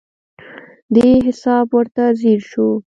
دې حساب ورته ځیر شو.